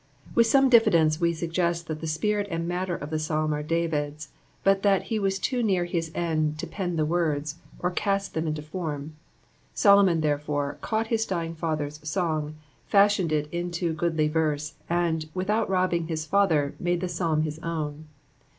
H'ith some diffidence ice suggest thai the spirit aiid vuitter of the Psalm are David's, but that he loas too near his end to pen the loords, or cast them into form : Solomon, therefore, caught hut dying father's so7ig, fashioned U in goodly verse, and, without robbing his father, iiuule the Psalm his owfi.